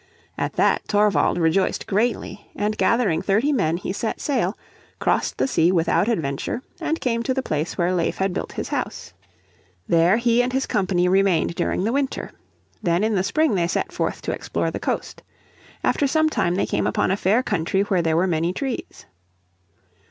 At that Thorvald rejoiced greatly, and gathering thirty men he set sail, crossed the sea without adventure, and came to the place where Leif had built his house. There he and his company remained during the winter. Then in the spring they set forth to explore the coast. After some time they came upon a fair country where there were many trees.